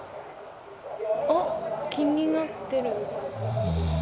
おっ気になってる。